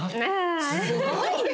すごいね！